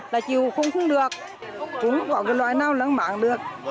là chiều cũng không được cũng có cái loại nào là không bán được